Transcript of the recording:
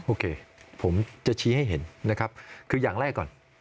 โอเคผมจะชี้ให้เห็นนะครับคืออย่างแรกก่อน